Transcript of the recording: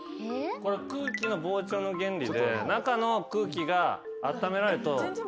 これ空気の膨張の原理で中の空気があっためられると。